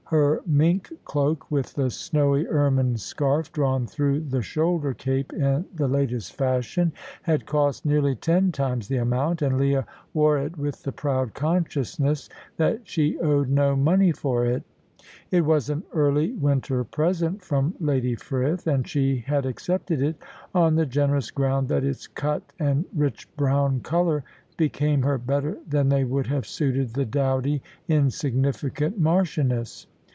Her mink cloak, with the snowy ermine scarf drawn through the shoulder cape in the latest fashion, had cost nearly ten times the amount, and Leah wore it with the proud consciousness that she owed no money for it. It was an early winter present from Lady Frith, and she had accepted it on the generous ground that its cut and rich brown colour became her better than they would have suited the dowdy, insignificant Marchioness.